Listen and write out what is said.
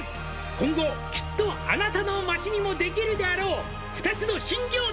「今後きっとあなたの街にも」「できるであろう２つの新業態」